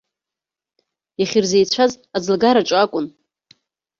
Иахьырзеицәаз аӡлагараҿы акәын.